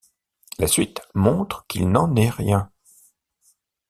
La suite montre qu'il n'en est rien.